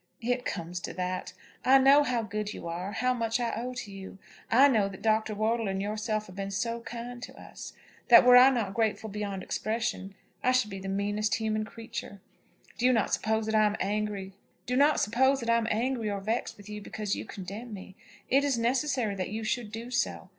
"It comes to that. I know how good you are; how much I owe to you. I know that Dr. Wortle and yourself have been so kind to us, that were I not grateful beyond expression I should be the meanest human creature. Do not suppose that I am angry or vexed with you because you condemn me. It is necessary that you should do so.